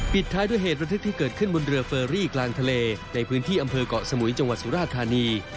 ท้ายด้วยเหตุระทึกที่เกิดขึ้นบนเรือเฟอรี่กลางทะเลในพื้นที่อำเภอกเกาะสมุยจังหวัดสุราธานี